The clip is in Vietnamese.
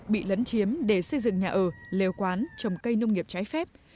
bị lấn chiếm để xây dựng nhà ở liều quán trồng cây nông nghiệp trái phép